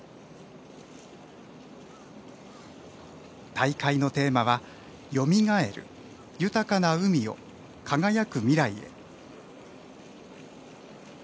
大会のテーマは「よみがえる豊かな海を輝く未来へ」。